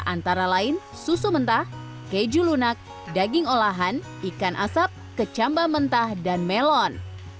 antara lain susu mentah keju lunak daging olahan ikan asap kecamba mentah dan melon